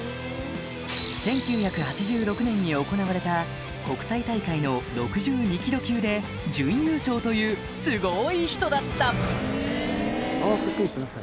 １９８６年に行われた国際大会の６２ｋｇ級で準優勝というすごい人だった